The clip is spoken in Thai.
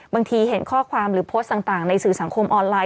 เห็นข้อความหรือโพสต์ต่างในสื่อสังคมออนไลน